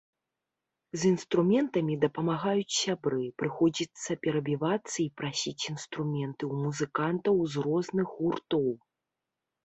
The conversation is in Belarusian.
З інструментамі дапамагаюць сябры, прыходзіцца перабівацца і прасіць інструменты ў музыкантаў з розных гуртоў.